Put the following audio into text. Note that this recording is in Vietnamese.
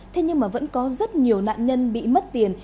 thế nhưng mà vẫn có rất nhiều nạn nhân bị mất tiền